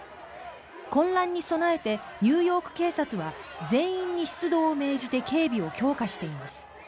混乱に備えてニューヨーク警察は全員に出動を命じて警備を強化しています。